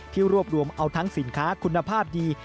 รวบรวมเอาทั้งสินค้าคุณภาพดี